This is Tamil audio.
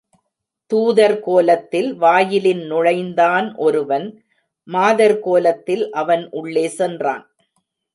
துாதர் கோலத்தில் வாயிலின் நுழைந்தான் ஒருவன், மாதர் கோலத்தில் அவன் உள்ளே சென்றான்.